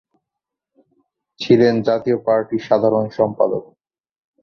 ছিলেন জাতীয় পার্টির সাধারণ সম্পাদক।